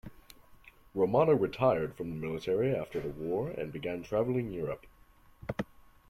Romana retired from the military after the war and began travelling Europe.